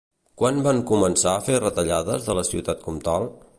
Quan van començar a fer retallades de la ciutat comtal?